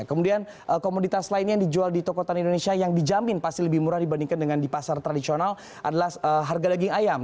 kemudian komoditas lainnya yang dijual di toko tani indonesia yang dijamin pasti lebih murah dibandingkan dengan di pasar tradisional adalah harga daging ayam